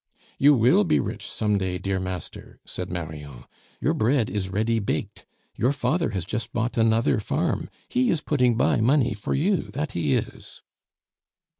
"You will be rich some day, dear master," said Marion; "your bread is ready baked. Your father has just bought another farm, he is putting by money for you; that he is."